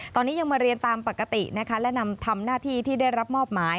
ตอนนี้ยังมาเรียนตามปกตินะคะและนำทำหน้าที่ที่ได้รับมอบหมาย